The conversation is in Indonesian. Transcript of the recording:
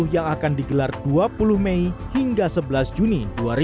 yang akan digelar dua puluh mei hingga sebelas juni dua ribu dua puluh